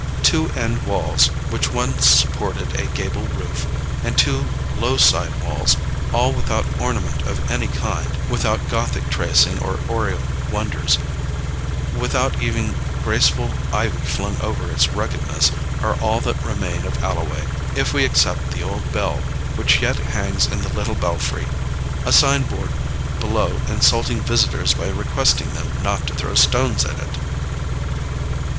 Two end walls, which once supported a gable roof, and two low side walls, all without ornament of any kind without gothic tracing or oriel wonders without even graceful ivy flung over its ruggedness are all that remain of Alloway, if we except the old bell, which yet hangs in the little belfry; a sign board below insulting visitors by requesting them not to throw stones at it!